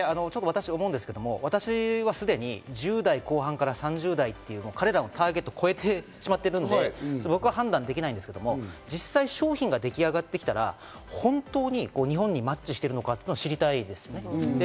私、思うんですけど、私は１０代後半から３０代という彼らのターゲットを超えてしまっているので、僕は判断できないですけど、実際商品が出来上がってきたら、本当に日本にマッチしているのかというのを知りたいですね。